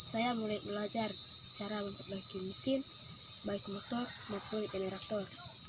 baik motor maupun generator